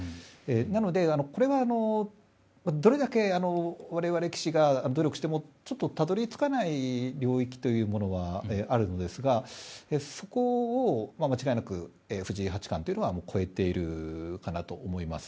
なので、どれだけ我々棋士が努力してもちょっとたどり着かない領域というものはあるんですがそこを間違いなく藤井八冠というのは超えているかなと思います。